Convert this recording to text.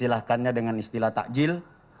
mengistirahatkannya dengan istilah takjil